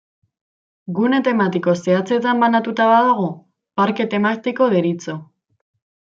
Gune tematiko zehatzetan banatua badago, parke tematiko deritzo.